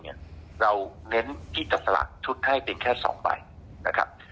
เนี้ยเราแนะนํ่งที่แสดงสลักชุดให้เป็นแค่สองใบนะครับ